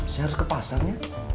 saya harus ke pasarnya